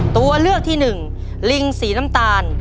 ตัวเลือกที่๑ลิงสีน้ำตาล